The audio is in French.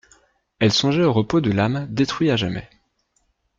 Elle songeait au repos de l'âme détruit à jamais.